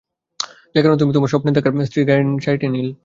যে-কারণে তুমি ভাবছ তোমার স্বপ্নে দেখা স্ত্রীর গায়ের শাড়িটি নীল।